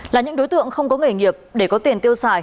là những đối tượng không có nghề nghiệp để có tiền tiêu xài